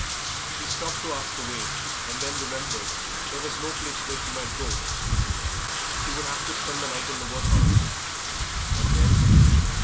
She stopped to ask the way, and then remembered there was no place where she might go. She would have to spend the night in the workhouse, and then?